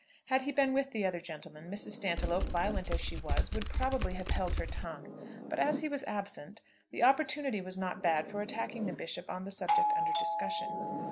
Had he been with the other gentlemen, Mrs. Stantiloup, violent as she was, would probably have held her tongue; but as he was absent, the opportunity was not bad for attacking the Bishop on the subject under discussion.